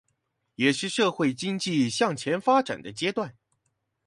也是社會經濟向前發展的階段